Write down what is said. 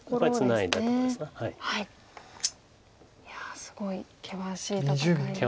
いやすごい険しい戦いが。